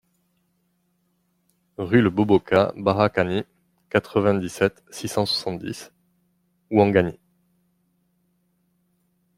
RLE BOBOKA - BARAKANI, quatre-vingt-dix-sept, six cent soixante-dix Ouangani